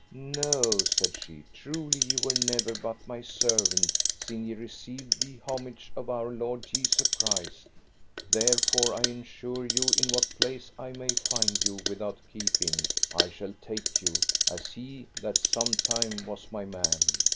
No, said she, truly ye were never but my servant sin ye received the homage of Our Lord Jesu Christ. Therefore, I ensure you in what place I may find you without keeping I shall take you, as he that sometime was my man.